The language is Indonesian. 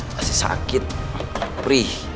masih sakit perih